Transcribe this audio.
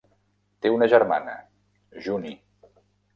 Té una germana, Junie.